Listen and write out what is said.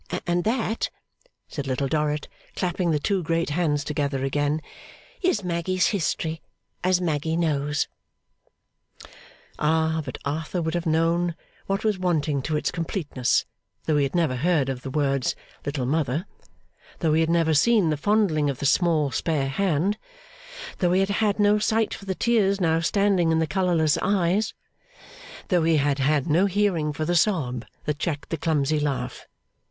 And that,' said Little Dorrit, clapping the two great hands together again, 'is Maggy's history, as Maggy knows!' Ah! But Arthur would have known what was wanting to its completeness, though he had never heard of the words Little mother; though he had never seen the fondling of the small spare hand; though he had had no sight for the tears now standing in the colourless eyes; though he had had no hearing for the sob that checked the clumsy laugh.